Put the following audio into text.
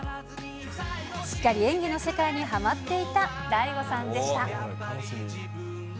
すっかり演技の世界にはまっていた大悟さんでした。